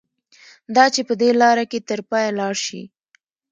دا چې په دې لاره کې تر پایه لاړ شي.